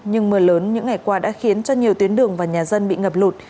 nhưng mưa lớn những ngày qua đã khiến cho nhiều tuyến đường và nhà dân bị ngập lụt